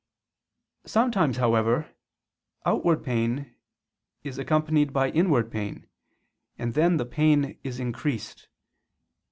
Sometimes, however, outward pain is accompanied by inward pain, and then the pain is increased.